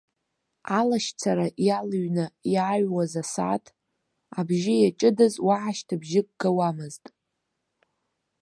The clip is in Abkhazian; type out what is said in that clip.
Алашьцара иалҩны иааҩуаз асааҭ абжьы иаҷыдаз, уаҳа шьҭыбжьык гауамызт.